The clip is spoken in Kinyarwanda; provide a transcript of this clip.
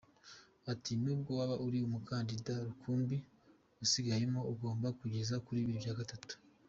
Ati “Nubwo waba uri umukandida rukumbi usigayemo, ugomba kugeza kuri bibiri bya gatatu.